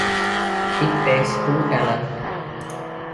It takes true talent.